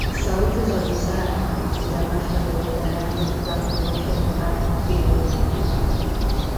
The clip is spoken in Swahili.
Sauti za busara ni tamasha lenye daraja la kuonesha vipaji vilivyotukuka